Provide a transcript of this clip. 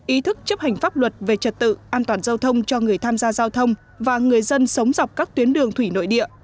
ý thức chấp hành pháp luật về trật tự an toàn giao thông cho người tham gia giao thông và người dân sống dọc các tuyến đường thủy nội địa